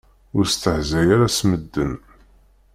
Ur stehzay ara s medden.